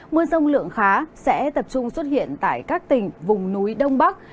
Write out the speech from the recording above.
mưa rông lượng khá sẽ tập trung xuất hiện tại các tỉnh vùng núi đông bắc